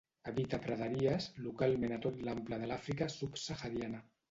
Habita praderies, localment a tot l'ample de l'Àfrica subsahariana.